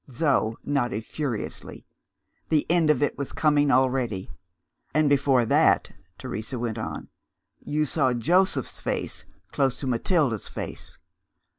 Zo nodded furiously the end of it was coming already. "And before that," Teresa went on, "you saw Joseph's face close to Matilda's face."